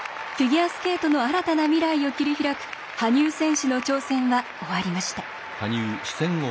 フィギュアスケートの新たな未来を切り開く羽生選手の挑戦は終わりました。